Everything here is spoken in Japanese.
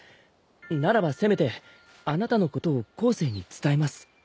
ならばせめてあなたのことを後世に伝えます。